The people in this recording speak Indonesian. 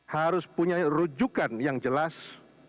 harus punya rujukan yang jelas